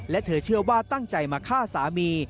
และเธอเชื่อว่าตั้งใจมาฆ่าสามี